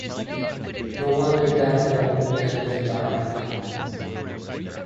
No wonder that old religion died.